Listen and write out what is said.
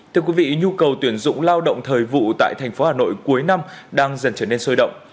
thưa quý vị nhu cầu tuyển dụng lao động thời vụ tại thành phố hà nội cuối năm đang dần trở nên sôi động